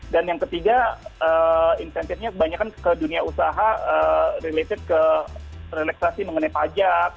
dan yang ketiga insentifnya kebanyakan ke dunia usaha related ke relaxasi mengenai pajak